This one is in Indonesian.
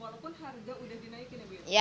walaupun harga udah dinaikin ya bu